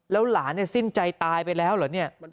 แล้วหลานสิ้นใจตายไปแล้วเหรอเนี่ย